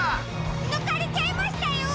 ぬかれちゃいましたよ！